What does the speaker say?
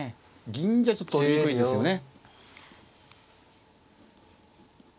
銀じゃちょっと取りにくいですよね。